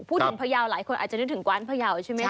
พูดถึงพะเยาว์หลายคนอาจจะนึกถึงกวานพะเยาว์ใช่ไหมคะ